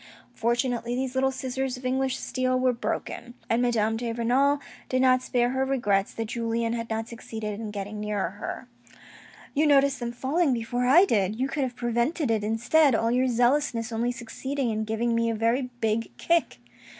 Fortunately, these little scissors of English steel were broken, and Madame de Renal did not spare her regrets that Julien had not succeeded in getting nearer to her. "You noticed them falling before I did — you could have prevented it, instead, all your zealousness only succeeding in giving me a very big kick."